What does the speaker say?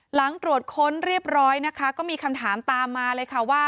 หลังตรวจค้นเรียบร้อยนะคะก็มีคำถามตามมาเลยค่ะว่า